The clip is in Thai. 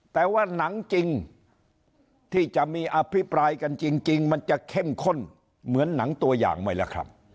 แต่ว่าหนังจริงที่จะมีอภิปรายกันจริงมันจะเข้มข้นเหมือนหนังตัวอย่างไหมล่ะครับ